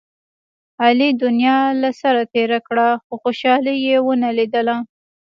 علي دنیا له سره تېره کړه، خو خوشحالي یې و نه لیدله.